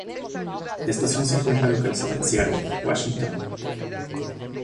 La estación se encuentra localizada en Seattle, Washington.